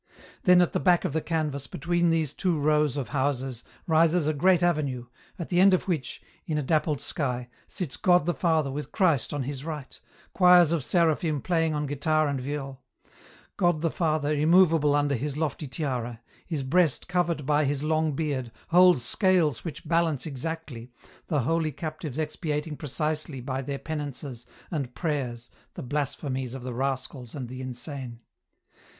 Then at the back of the canvas, between these two rows of houses, rises a great avenue, at the end of which, in a dappled sky, sits God the Father with Christ on His right, choirs of Seraphim playing on guitar and viol ; God the Father immovable under his lofty tiara. His breast covered by His long beard, holds scales which balance exactly, the holy captives expiating precisely by their penances and prayers the blasphemies of the rascals and the insane.